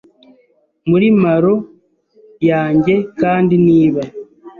muri marrow yanjye kandi niba